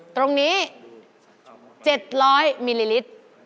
ตรงนี้๗๐๐มิลลิลิตร